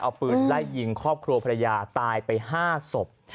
เอาปืนไล่ยิงครอบครัวภรรยาตายไป๕ศพ